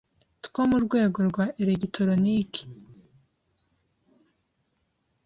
two mu rwego rwa elegitoroniki